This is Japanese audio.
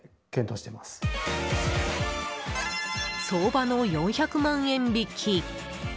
相場の４００万円引き。